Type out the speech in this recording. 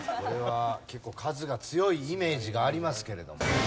これは結構カズが強いイメージがありますけれどもね。